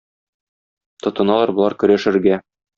Тотыналар болар көрәшергә.